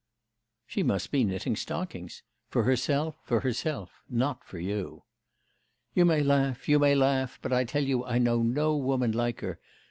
'She must be knitting stockings for herself; for herself not for you.' 'You may laugh, you may laugh; but I tell you I know no woman like her.